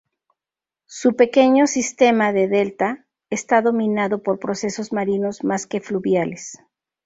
Su pequeño sistema de delta está dominado por procesos marinos más que fluviales.